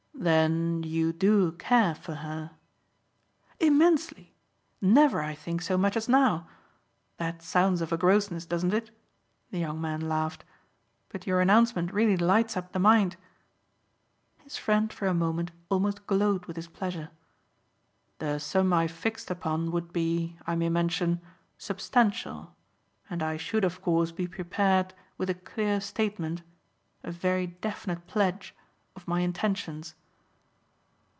"Then you do care for her?" "Immensely. Never, I think, so much as now. That sounds of a grossness, doesn't it?" the young man laughed. "But your announcement really lights up the mind." His friend for a moment almost glowed with his pleasure. "The sum I've fixed upon would be, I may mention, substantial, and I should of course be prepared with a clear statement a very definite pledge of my intentions."